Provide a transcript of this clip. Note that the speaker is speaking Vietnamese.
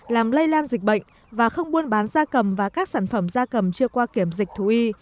làm lây lan dịch bệnh và không buôn bán da cầm và các sản phẩm da cầm chưa qua kiểm dịch thú y